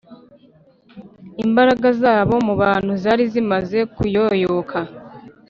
. Imbaraga zabo mu bantu zari zimaze kuyoyoka